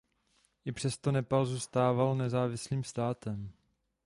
I přesto Nepál zůstával nezávislým státem.